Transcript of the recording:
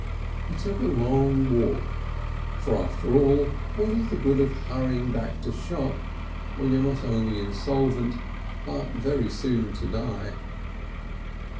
He took a long walk, for after all what is the good of hurrying back to shop when you are not only insolvent but very soon to die?